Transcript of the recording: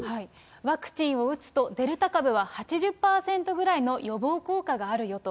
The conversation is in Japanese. ワクチンを打つと、デルタ株は８０％ぐらいの予防効果があるよと。